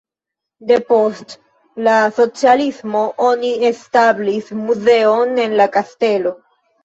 Depost la socialismo oni establis muzeon en la kastelo.